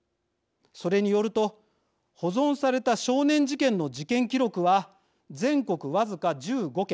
それによると保存された少年事件の事件記録は全国僅か１５件。